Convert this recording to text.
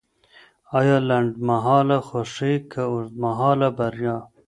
ایا لنډمهاله خوښي که اوږدمهاله بریا؟